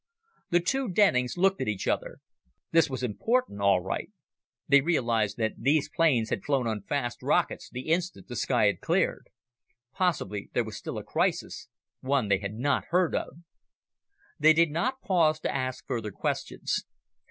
The two Dennings looked at each other. This was important, all right. They realized that these planes had flown on fast rockets the instant the sky had cleared. Possibly there was still a crisis one they had not heard of. They did not pause to ask further questions.